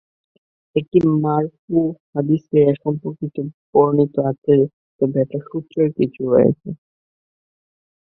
একটি মারফু হাদীসে এ সম্পর্কে বর্ণিত আছে তবে এটার সূত্রে কিছু রয়েছে।